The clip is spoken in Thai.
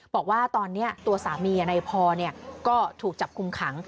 บอกว่าตอนนี้ตัวสามีในพอก็ถูกจับคุมขัง